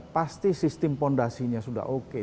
pasti sistem fondasinya sudah oke